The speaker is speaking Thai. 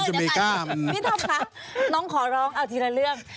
พี่ธอมค่ะน้องขอร้องเอาทีละเรื่อง